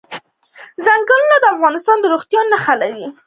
ځنګلونه د افغانستان د زرغونتیا نښه ده.